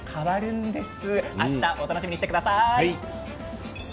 お楽しみにしてください。